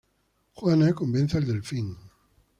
Juana convence al Delfín.